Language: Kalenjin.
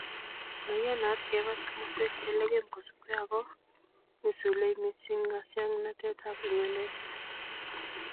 Maiyanat kebat komosweek che legem kosupgei ako ne sulei missing ng'asyaknatetab ing'wendet.